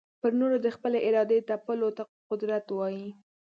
پر نورو د خپلي ارادې تپلو ته قدرت وايې.